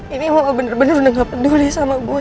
ini mau bener bener udah gak peduli sama gue